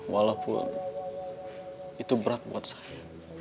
walaupun itu berat buat saya